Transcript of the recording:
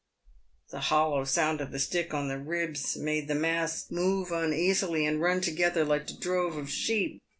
The hollow sound of the stick on the ribs made the mass move un easily, and run together like a drove of sheep.